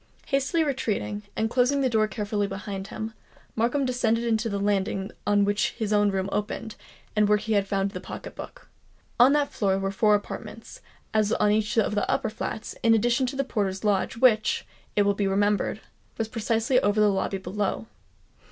Hastily retreating, and closing the door carefully behind him, Markham descended to the landing on which his own room opened, and where he had found the pocket book. On that floor were four apartments, as on each of the upper flats, in addition to the porter's lodge, which, it will be remembered, was precisely over the lobby below.